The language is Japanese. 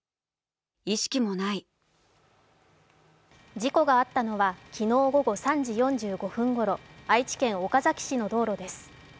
事故があったのは昨日午後３時４５分ごろ愛知県岡崎市の道路です。